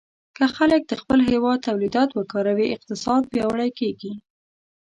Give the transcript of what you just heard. که خلک د خپل هېواد تولیدات وکاروي، اقتصاد پیاوړی کېږي.